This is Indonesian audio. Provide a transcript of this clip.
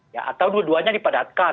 ya atau dua duanya dipadatkan